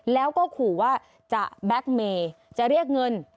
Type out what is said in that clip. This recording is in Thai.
แล้วก็ขู่ว่าจะแบ็คเมย์จะเรียกเงิน